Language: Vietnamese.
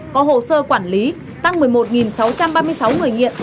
có hồ sơ quản lý tăng một mươi một sáu trăm ba mươi sáu người nghiện